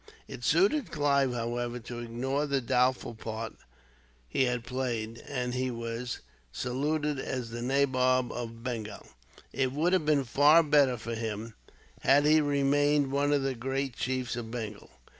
It suited Clive, however, to ignore the doubtful part he had played, and he was saluted as Nabob of Bengal. It would have been far better for him, had he remained one of the great chiefs of Bengal.